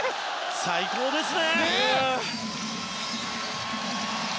最高ですね！